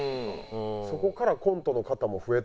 そこからコントの方も増えたか。